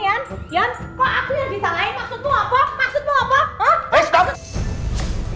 jangan kok aku yang disalahin maksudmu apa maksudmu apa